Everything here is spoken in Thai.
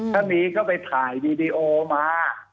ถ้ามีก็ไปถ่ายวีดีโอมา